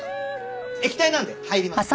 液体なんで入ります。